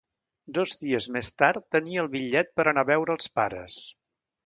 Dos dies més tard tenia el bitllet per a anar a veure els pares.